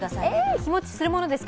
日もちするものですか？